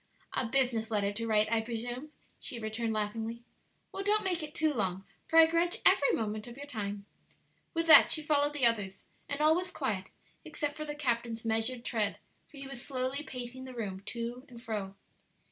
"A business letter to write, I presume," she returned laughingly. "Well, don't make it too long, for I grudge every moment of your time." With that she followed the others, and all was quiet except for the captain's measured tread, for he was slowly pacing the room to and fro.